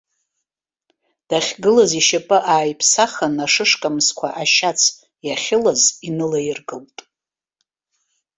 Дахьгылаз ишьапы ааиԥсахын, ашышкамсқәа ашьац иахьылаз инылаиргылт.